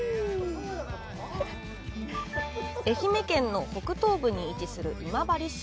愛媛県の北東部に位置する今治市。